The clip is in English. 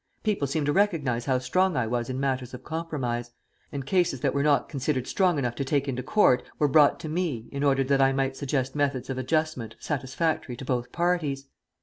People seemed to recognize how strong I was in matters of compromise, and cases that were not considered strong enough to take into court were brought to me in order that I might suggest methods of adjustment satisfactory to both parties.